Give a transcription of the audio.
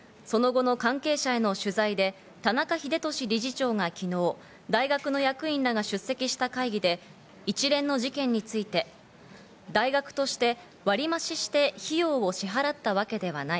その後の関係者への取材で田中英壽理事長が昨日、大学の役員らが出席した会議で、一連の事件について大学として割増して費用を支払ったわけではない。